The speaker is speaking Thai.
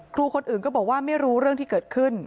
ครูคนอื่นก็บอกว่าไม่รู้เรื่องที่เกิดขึ้น